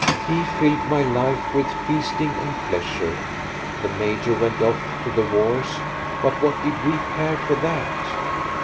He filled my life with feasting and pleasure. The major went off to the wars, but what did we care for that?